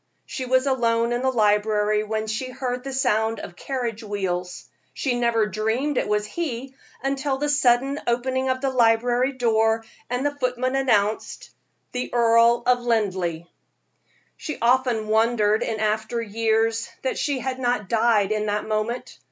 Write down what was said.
She was alone in the library when she heard the sound of carriage wheels; she never dreamed it was he till the sudden opening of the library door, and the footman announced: "The Earl of Linleigh!" She often wondered in after years that she had not died in that moment.